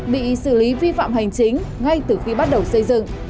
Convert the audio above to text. bị xử lý vi phạm hành chính ngay từ khi bắt đầu xây dựng